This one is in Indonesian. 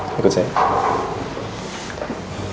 mbak titipin aja ya